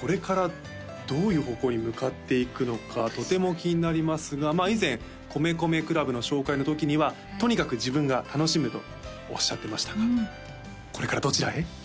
これからどういう方向に向かっていくのかとても気になりますがまあ以前米米ＣＬＵＢの紹介のときにはとにかく自分が楽しむとおっしゃってましたがこれからどちらへ？